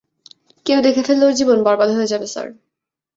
কেউ দেখে ফেললে, ওর জীবন বরবাদ হয়ে যাবে স্যার।